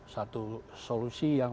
satu solusi yang